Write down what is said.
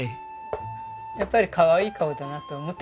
やっぱりかわいい顔だなって思っていて。